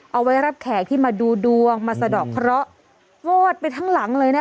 เอาไว้รับแขกที่มาดูดวงมาสะดอกเคราะห์วอดไปทั้งหลังเลยนะคะ